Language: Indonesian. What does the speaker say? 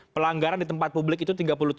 pelanggaran di tempat publik itu